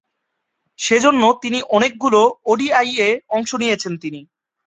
সেজন্যে তিনি অনেকগুলো ওডিআইয়ে অংশ নিয়েছেন তিনি।